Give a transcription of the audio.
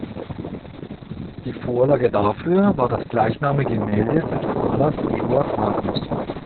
Die Vorlage dafür war das gleichnamige Gemälde des Malers Eduard Magnus.